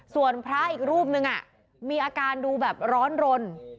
ส่วนพระอีกรูปนึงมีอาการดูแบบร้อนรน